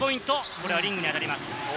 これはリングにあたります。